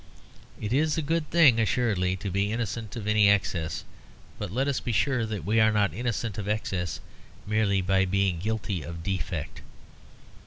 It is a good thing assuredly, to be innocent of any excess; but let us be sure that we are not innocent of excess merely by being guilty of defect.